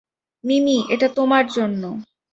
মিমি, এটা তোমার জন্য।